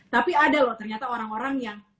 tapi ada loh ternyata orang orang yang